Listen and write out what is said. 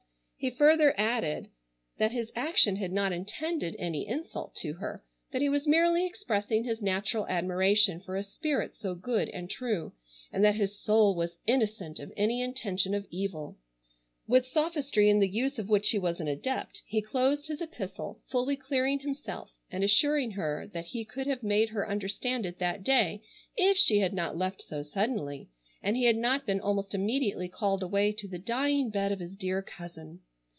He further added that his action had not intended any insult to her, that he was merely expressing his natural admiration for a spirit so good and true, and that his soul was innocent of any intention of evil. With sophistry in the use of which he was an adept, he closed his epistle, fully clearing himself, and assuring her that he could have made her understand it that day if she had not left so suddenly, and he had not been almost immediately called away to the dying bed of his dear cousin.